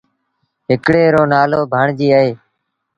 هڪڙي رو نآلو ڀآڻجيٚ اهي۔